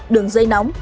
đường dây nóng